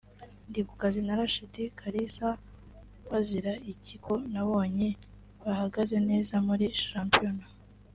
Ndikukazi na Rashid Kalisa bazira iki ko nabonye bahagaze neza muri shampiyona